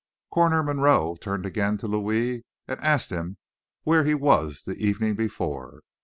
Coroner Monroe turned again to Louis and asked him where he was the evening before.